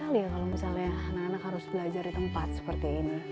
kali ya kalau misalnya anak anak harus belajar di tempat seperti ini